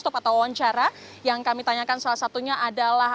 tutup atau wawancara yang kami tanyakan salah satunya adalah